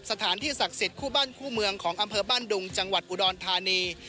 สถานที่ศักดิ์สิทธิ์คู่บ้านคู่เมืองของอำเภอบ้านดุงจังหวัดอุดรธานี